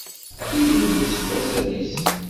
Tilelli s wazal-is.